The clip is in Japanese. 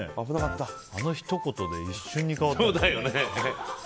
あのひと言で一瞬で変わった。